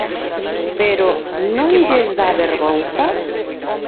Pero ¿non lles dá vergonza?